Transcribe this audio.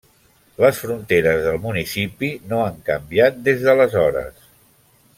Les fronteres del municipi no han canviat des d'aleshores.